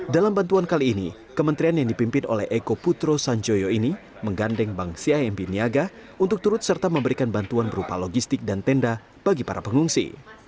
dalam bantuan kali ini kementerian yang dipimpin oleh eko putro sanjoyo ini menggandeng bank cimb niaga untuk turut serta memberikan bantuan berupa logistik dan tenda bagi para pengungsi